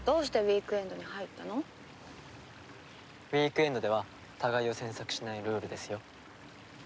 ウィークエンドでは互いを詮索しないルールですよ。